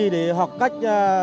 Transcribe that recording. để học cách